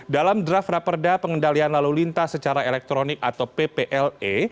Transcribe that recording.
dalam draft raperda pengendalian lalu lintas secara elektronik atau pple